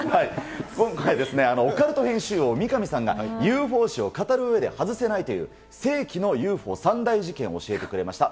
今回、オカルト編集王、三上さんがＵＦＯ史を語るうえで外せないという、世紀のＵＦＯ３大事件を教えてくれました。